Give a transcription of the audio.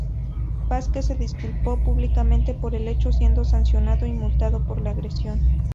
Vásquez se disculpó públicamente por el hecho, siendo sancionado y multado por la agresión.